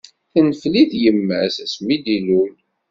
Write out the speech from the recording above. Tenfel-it yimma-s, asmi d-illul.